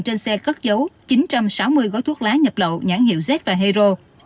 trên xe cất dấu chín trăm sáu mươi gói thuốc lá nhập lậu nhãn hiệu z và hero